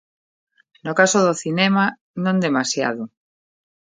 No caso do cinema, non demasiado.